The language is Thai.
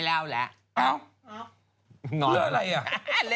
เรื่องที่ไหน